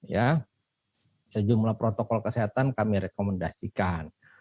karena sejumlah protokol kesehatan kami rekomendasikan